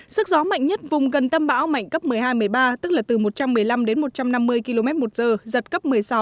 sức gió mạnh nhất vùng gần tâm bão mạnh cấp một mươi hai một mươi ba tức là từ một trăm một mươi năm đến một trăm năm mươi km một giờ giật cấp một mươi sáu